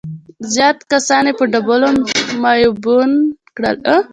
زيات کسان يې په ډبولو معيوبان کړل.